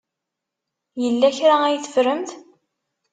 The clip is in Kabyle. Yella kra ay teffremt?